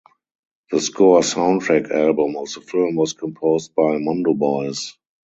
The score soundtrack album of the film was composed by Mondo Boys.